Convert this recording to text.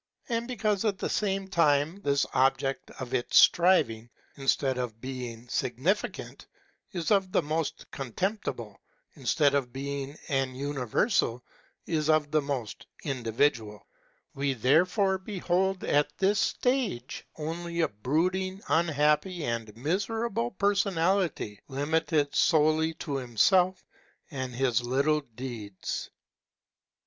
And because, •at the same time, this object of its striving, instead of being sig nificant, is of the most contemptible, instead of being an uni versal is of the most individual, we therefore behold at this stage 626 HEGEL only a brooding, unhappy and fniserable personality, limited solely to himself and his little deeds.